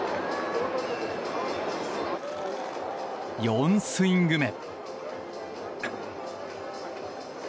４スイング目。